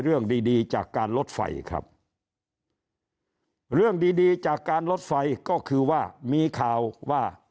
เรื่องดีดีจากการลดไฟครับเรื่องดีดีจากการลดไฟก็คือว่ามีข่าวว่า